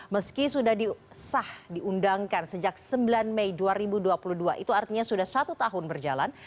meski sudah disah diundangkan sejak sembilan mei dua ribu dua puluh dua itu artinya sudah satu tahun berjalan